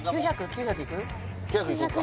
９００いく？